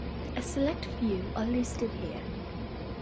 A select few are listed here.